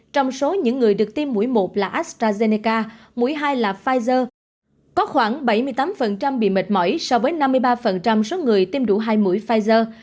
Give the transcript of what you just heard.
trong số những người được tiêm mũi một là astrazeneca mũi hai là pfizer có khoảng bảy mươi tám bị mệt mỏi so với năm mươi ba số người tiêm đủ hai mũi pfizer